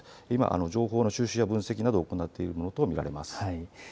今、情報の収集や分析を行っているものと見られます。